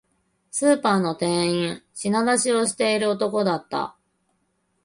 スーパーの店員、品出しをしている男だった